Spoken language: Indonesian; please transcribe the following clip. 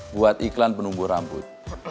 buat iklan penumbuh rambut